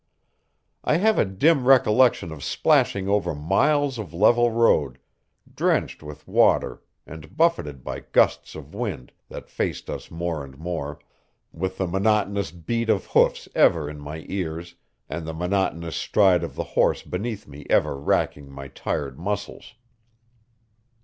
I have a dim recollection of splashing over miles of level road, drenched with water and buffeted by gusts of wind that faced us more and more, with the monotonous beat of hoofs ever in my ears, and the monotonous stride of the horse beneath me ever racking my tired muscles.